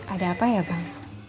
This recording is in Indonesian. ada apa ya bang